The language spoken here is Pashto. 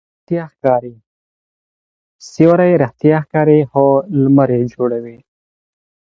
په ننی نړۍ کي او د پښتو ژبي په پخواني تیر لرغوني